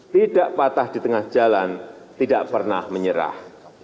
tidak patah di tengah jalan tidak pernah menyerah